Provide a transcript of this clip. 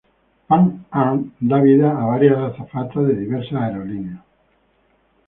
Pam Ann da vida a varias azafatas de diversas aerolíneas.